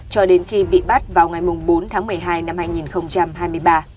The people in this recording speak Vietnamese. cho đến khi bị bắt vào ngày bốn tháng một mươi hai năm hai nghìn hai mươi ba